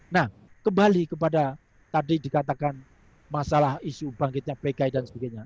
nah kembali kepada tadi dikatakan masalah isu bangkitnya pki dan sebagainya